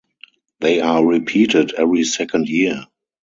They are repeated every second year.